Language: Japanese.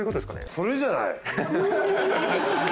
それじゃない？